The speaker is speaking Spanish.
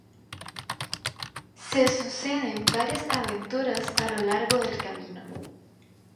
Se suceden varias aventuras a lo largo del camino.